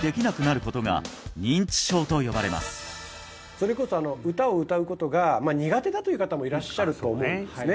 それこそ歌を歌うことが苦手だという方もいらっしゃると思うんですね